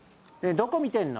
どこ見てんの？